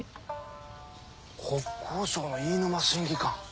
国交省の飯沼審議官。